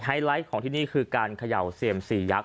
ไลท์ของที่นี่คือการเขย่าเสี่ยมสี่ยักษ